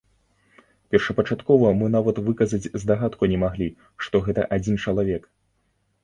Першапачаткова мы нават выказаць здагадку не маглі, што гэта адзін чалавек.